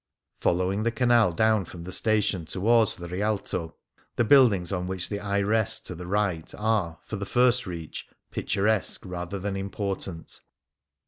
Following the Canal down from the station towards the Rial to, the buildings on which the eye rests to the right are, for the first reach, picturesque rather than important.